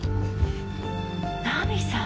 奈美さん。